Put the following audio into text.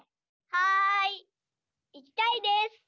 はい！いきたいです！